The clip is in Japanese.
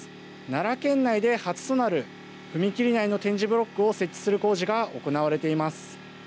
奈良県内で初となる踏切内の点字ブロックを設置する工事が行われています。